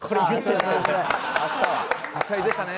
はしゃいでたね。